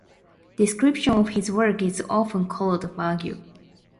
Description of his work is often called, vague.